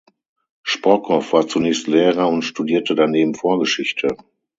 Sprockhoff war zunächst Lehrer und studierte daneben Vorgeschichte.